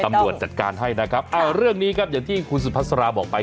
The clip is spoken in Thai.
จัดการให้นะครับเรื่องนี้ครับอย่างที่คุณสุภาษาราบอกไป